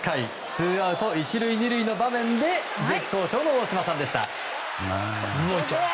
ツーアウト、１塁２塁の場面で絶好調の大島さんでした。